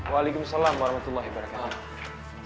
waalaikumsalam warahmatullahi wabarakatuh